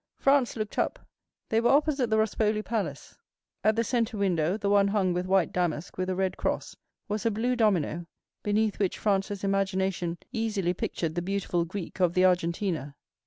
Franz looked up—they were opposite the Rospoli Palace. At the centre window, the one hung with white damask with a red cross, was a blue domino, beneath which Franz's imagination easily pictured the beautiful Greek of the Argentina.